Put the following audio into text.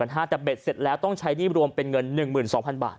แต่เบ็ดเสร็จแล้วต้องใช้หนี้รวมเป็นเงิน๑๒๐๐๐บาท